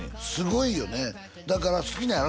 すごいよねだから好きなんやろ？